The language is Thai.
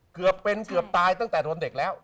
เกือบเป็นเกือบตายตั้งแต่โดนเด็กแล้ว